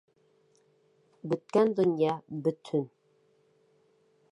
Бөткән донъя, бөтһөн!